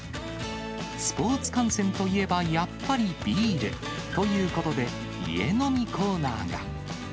スポーツ観戦といえば、やっぱりビール。ということで、家飲みコーナーが。